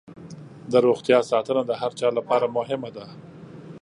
د روغتیا ساتنه د هر چا لپاره مهمه ده.